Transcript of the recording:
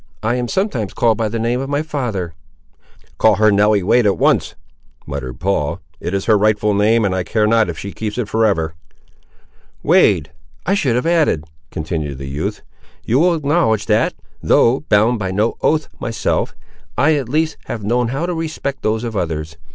I am sometimes called by the name of my father." "Call her Nelly Wade at once," muttered Paul; "it is her rightful name, and I care not if she keeps it for ever!" "Wade, I should have added," continued the youth. "You will acknowledge that, though bound by no oath myself, I at least have known how to respect those of others.